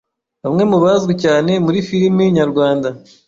Bamwe mu bazwi cyane muri filimi nyarwanda